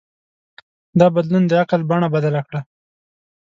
دا بدلون د عقل بڼه بدله کړه.